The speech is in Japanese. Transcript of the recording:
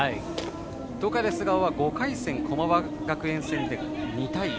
東海大菅生は５回戦駒場学園戦で２対１。